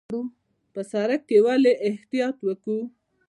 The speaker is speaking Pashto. په سړک کې ولې احتیاط وکړو؟